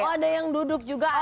oh ada yang duduk juga